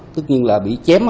tất nhiên là bị chém